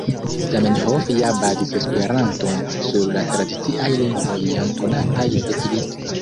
Zamenhof ja bazis Esperanton sur la tradiciaj lingvoj jam konataj de li.